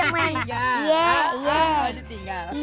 mau gak dijak main